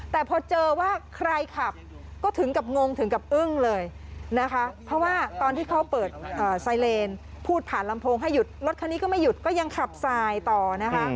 แต่พอเจอว่าใครขับก็ถึงกับงงถึงกับอึ้งเลยนะคะเพราะว่าตอนที่เขาเปิดไซเลนพูดผ่านลำโพงให้หยุดรถคันนี้ก็ไม่หยุดก็ยังขับสายต่อนะคะ